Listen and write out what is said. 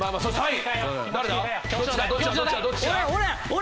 俺！